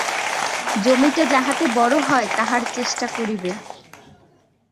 জমিটা যাহাতে বড় হয়, তাহার চেষ্টা করিবে।